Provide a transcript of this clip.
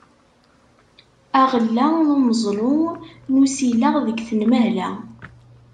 Aɣella n Umeẓlu n Usileɣ deg Tenmehla.